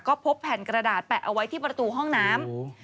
ก็พบแผ่นกระดาษแปะเอาไว้ที่ประตูห้องน้ำ